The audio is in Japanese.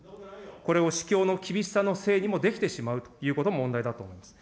これを市況の厳しさのせいにできてしまうというのも問題だと思います。